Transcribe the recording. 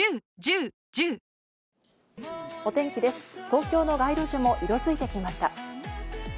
東京の街路樹も色づいてきました。